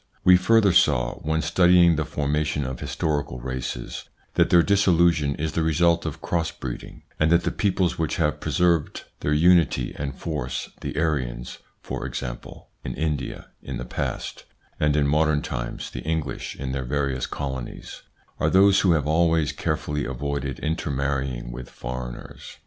We further saw, when studying the formation of historical races, that their dissolution is the result of cross breeding, and that the peoples which have preserved their unity and force the Aryans, for example, in India in the past, and in modern times the English in their various colonies are those who have always carefully avoided intermarrying with foreigners.